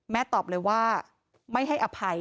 ตอบเลยว่าไม่ให้อภัย